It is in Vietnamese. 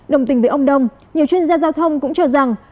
đồng tình với ông đông nhiều chuyên gia giao thông cũng cho rằng